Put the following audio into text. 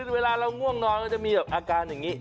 เวลาเราง่วงนอนมันจะมีอาการอย่างนี้